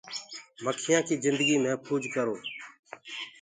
مکيآنٚ ڪي جنگي مهڦوج ڪرو۔